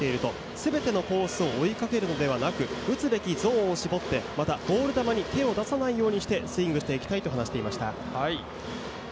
全てのコースを追いかけるのではなくて、打つべきゾーンを絞って、またボール球に手を出さないようにして、スイングしていきたいと話していました。